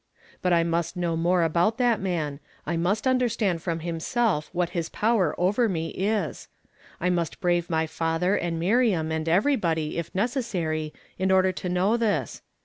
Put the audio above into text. But 1 must know more about that man ; I must understand from himself what his power over me is. I must brave my father and Miriam and everybody', if necessary, in order to know this.